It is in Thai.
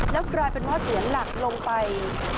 แล้วกลายเป็นว่าเสียหลักลงไป